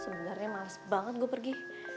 sebenarnya malas banget gue pergi